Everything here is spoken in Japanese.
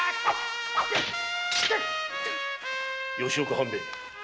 吉岡半兵衛